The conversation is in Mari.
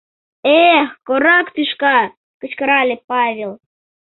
— Эх, корак тӱшка! — кычкырале Павел.